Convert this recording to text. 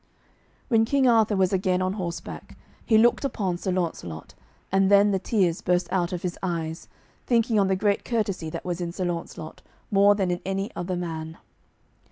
When King Arthur was again on horseback, he looked upon Sir Launcelot, and then the tears burst out of his eyes, thinking on the great courtesy that was in Sir Launcelot, more than in any other man.